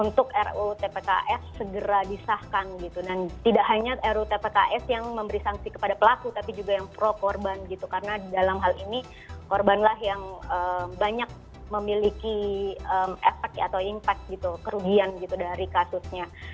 untuk ruu tpks segera disahkan gitu dan tidak hanya rutpks yang memberi sanksi kepada pelaku tapi juga yang pro korban gitu karena dalam hal ini korbanlah yang banyak memiliki efek atau impact gitu kerugian gitu dari kasusnya